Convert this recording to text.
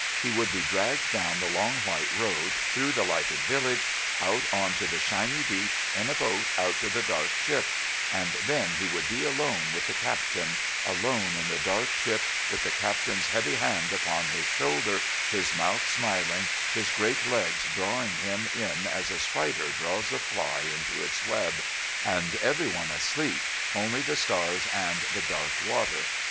He would be dragged down the long white road, through the lighted village, out on to the shiny beach, in a boat out to the dark ship and then he would be alone with the Captain, alone in the dark ship, with the Captain's heavy hand upon his shoulder, his mouth smiling, his great legs drawing him in as a spider draws a fly into its web, and everyone asleep, only the stars and the dark water.